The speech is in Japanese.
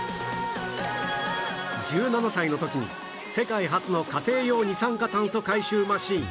１７歳の時に世界初の家庭用二酸化炭素回収マシーン